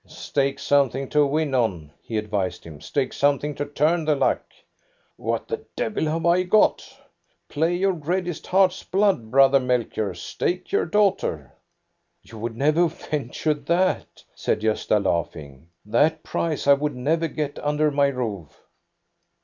"Stake something to win on," he advised him. " Stake something to turn the luck." " What the devil have I got? "" Play your reddest heart's blood, brother Melchior. Stake your daughter !"" You would never venture that," said Grosta, laugh ing. "That prize I would never get under my roof."